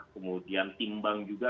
kemudian timbang juga